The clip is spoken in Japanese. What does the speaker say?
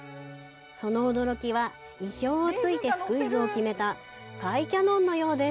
その驚きは意表をついてスクイズを決めた甲斐キャノンのようです。